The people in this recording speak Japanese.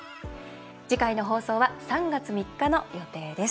次回の放送は３月３日の予定です。